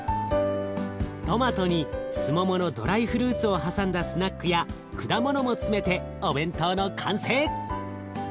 トマトにすもものドライフルーツを挟んだスナックや果物も詰めてお弁当の完成！